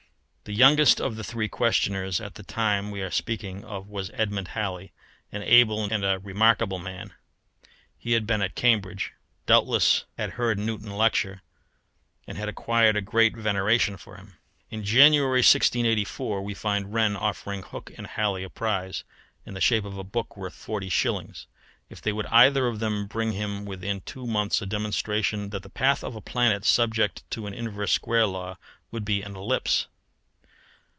The youngest of the three questioners at the time we are speaking of was Edmund Halley, an able and remarkable man. He had been at Cambridge, doubtless had heard Newton lecture, and had acquired a great veneration for him. In January, 1684, we find Wren offering Hooke and Halley a prize, in the shape of a book worth forty shillings, if they would either of them bring him within two months a demonstration that the path of a planet subject to an inverse square law would be an ellipse.